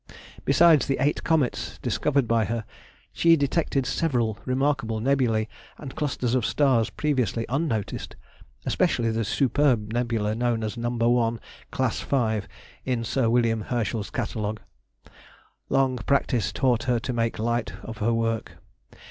Besides the eight comets discovered by her, she detected several remarkable nebulæ and clusters of stars previously unnoticed, especially the superb nebula known as No. 1, Class V., in Sir William Herschel's Catalogue. Long practice taught her to make light of her work.